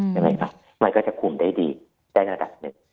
ใช่ไหมคะมันก็จะคุมได้ดีได้ระดับหนึ่ง